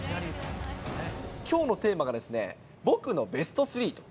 きょうのテーマが僕のベスト３。